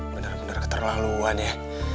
bener bener keterlaluan ya